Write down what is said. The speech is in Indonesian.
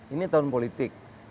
ini tahun politik